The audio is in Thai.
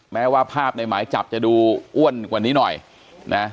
แม้ว่าภาพในหมายจับจะดูอ้วนกว่านี้หน่อยนะ